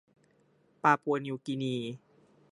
ปาปัวนิวกีนี